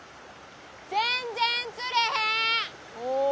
全然釣れへん。